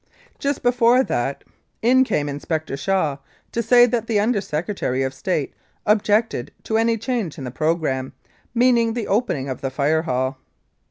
Just before that in came Inspector Shaw to say that the Under Secretary of State objected to any change in the programme, meaning the opening of the Fire Hall.